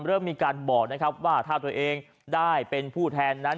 เริ่มมีการบอกนะครับว่าถ้าตัวเองได้เป็นผู้แทนนั้น